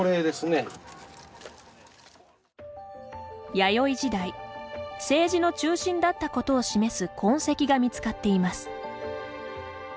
弥生時代政治の中心だったことを示す痕跡が見つかっています。